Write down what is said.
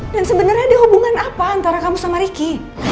dan sebenarnya ada hubungan apa antara kamu sama ricky